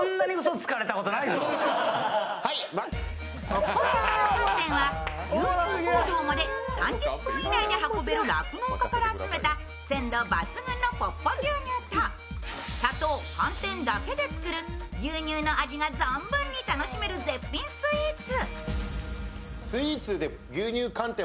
ポッポ牛乳寒天は、牛乳工場まで、３０分以内で運べる、酪農家から集めた鮮度抜群のポッポ牛乳と、砂糖、寒天だけで作る、牛乳の味が存分に楽しめる絶品スイーツ。